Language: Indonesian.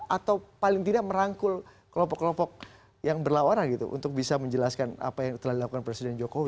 atau paling tidak merangkul kelompok kelompok yang berlawanan gitu untuk bisa menjelaskan apa yang telah dilakukan presiden jokowi